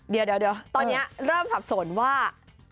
เดี๋ยวตอนนี้เริ่มสับสนว่า